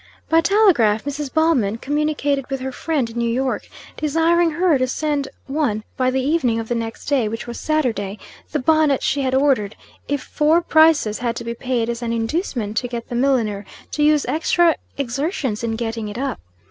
By telegraph Mrs. Bellman communicated with her friend in New York, desiring her to send on by the evening of the next day, which was Saturday, the bonnet she had ordered, if four prices had to be paid as an inducement to get the milliner to use extra exertions in getting it up.